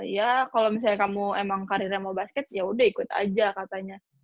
ya kalau misalnya kamu emang karirnya mau basket yaudah ikut aja katanya